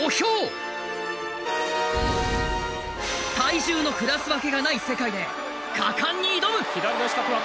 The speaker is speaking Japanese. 体重のクラス分けがない世界で果敢に挑む！